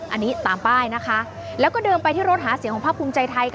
อันนี้ตามป้ายนะคะแล้วก็เดินไปที่รถหาเสียงของภาคภูมิใจไทย